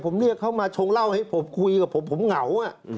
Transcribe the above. ผมเรียกเขามาชงเล่าให้ผมคุยกับผมผมเหงา